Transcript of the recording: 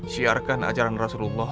siarkan ajaran rasulullah